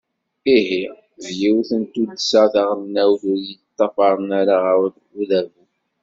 Ihi, d yiwet n tuddsa taɣelnawt ur yeṭṭafaren ara ɣer udabu.